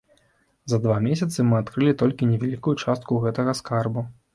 За два месяцы мы адкрылі толькі невялікую частку гэтага скарбу.